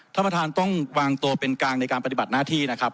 ท่านประธานต้องวางตัวเป็นกลางในการปฏิบัติหน้าที่นะครับ